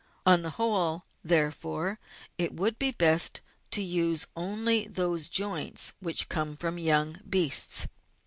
On the whole, therefore, it would be best to use only those joints which come from young beasts.